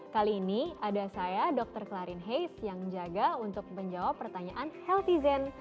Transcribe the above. kali ini ada saya dr klerin heis yang jaga untuk menjawab pertanyaan healthyzen